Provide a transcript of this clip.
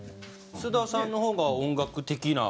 須田さんの方が音楽的な。